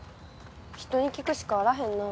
人に聞くしかあらへんな。